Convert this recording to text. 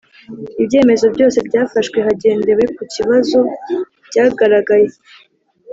Ibyemezo byose byafashwe hagendewe ku ku bibazo byagaragaye